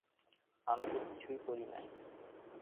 আমি তো কিছুই করি নাই।